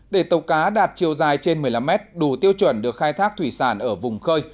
để tàu cá đạt chiều dài trên một mươi năm mét đủ tiêu chuẩn được khai thác thủy sản ở vùng khơi